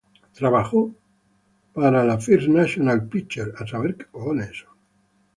Trabajó para la First National Pictures.